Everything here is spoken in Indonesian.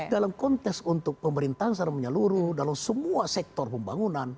dalam konteks untuk pemerintahan secara menyeluruh dalam semua sektor pembangunan